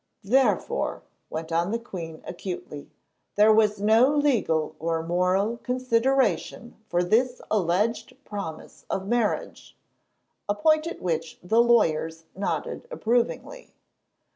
"Therefore," went on the queen acutely, "there was no legal or moral consideration for this alleged promise of marriage,"—a point at which the lawyers nodded approvingly.